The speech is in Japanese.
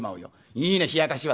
いいねひやかしは。